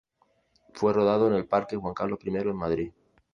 Fue rodado en el Parque Juan Carlos I en Madrid.